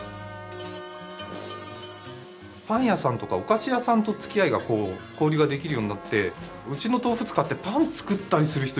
パン屋さんとかお菓子屋さんとつきあいが交流ができるようになってうちの豆腐使ってパン作ったりする人いるんですよ。